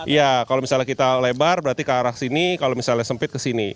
ya kalau misalnya kita lebar berarti ke arah sini kalau misalnya sempit ke sini